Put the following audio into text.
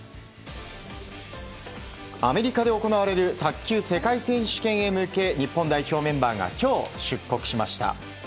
アメリカで行われる卓球世界選手権へ向け日本代表メンバーが今日、出国しました。